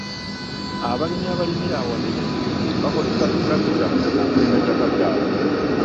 Abalimi abalimira awanene bakozesa ttulakita okulima ettaka lyabwe.